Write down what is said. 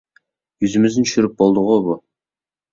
يۈزىمىزنى چۈشۈرۈپ بولدىغۇ بۇ.